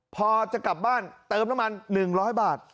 พอจะกลับบ้านเติมน้ำมัน๑๐๐บาท